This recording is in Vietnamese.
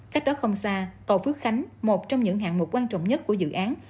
cách đó không xa cầu phước khánh một trong những hạng mục quan trọng nhất của dự án